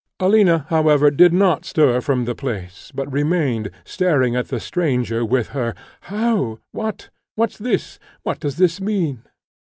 Alina, however, did not stir from the place, but remained, staring at the stranger, with her "How! what! what's this? what does this mean?"